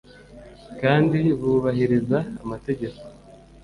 kandi bubahiriza amategeko